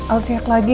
al tiap lagi